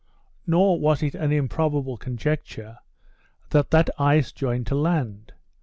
Nor was it an improbable conjecture, that that ice joined to land.